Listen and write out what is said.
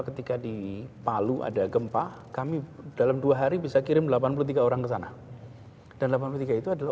ketika di palu ada gempa kami dalam dua hari bisa kirim delapan puluh tiga orang kesana dan delapan puluh tiga itu adalah